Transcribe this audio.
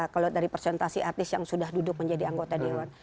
kalau dari presentasi artis yang sudah duduk menjadi anggota dewan